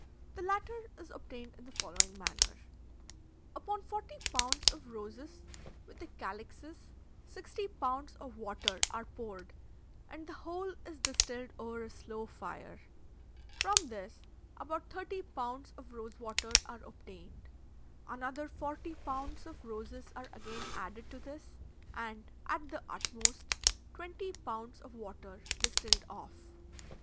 The latter is obtained in the following manner: Upon forty pounds of roses, with the calixes, sixty pounds of water are poured, and the whole is distilled over a slow fire. From this, about thirty pounds of rose water are obtained. Another forty pounds of roses are again added to this, and, at the utmost, twenty pounds of water distilled off.